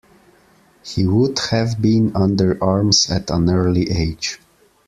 He would have been under arms at an early age.